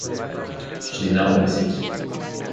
She did not win a seat.